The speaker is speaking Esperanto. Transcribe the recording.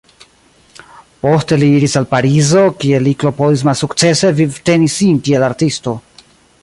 Poste li iris al Parizo, kie li klopodis malsukcese vivteni sin kiel artisto.